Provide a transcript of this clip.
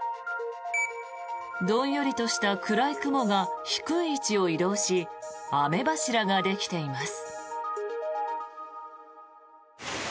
どんよりとした暗い雲が低い位置を移動し雨柱ができています。